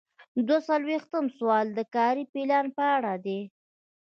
دوه څلویښتم سوال د کاري پلان په اړه دی.